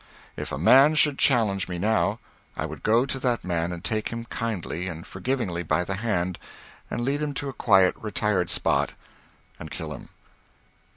If a man should challenge me now, I would go to that man and take him kindly and forgivingly by the hand and lead him to a quiet retired spot, and kill him.